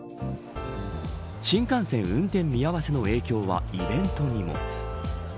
新幹線運転見合わせの影響はイベントにも。